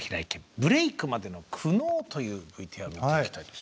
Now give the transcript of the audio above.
ブレイクまでの苦悩」というＶＴＲを見ていきたいです。